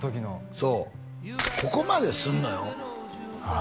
そうここまですんのよああ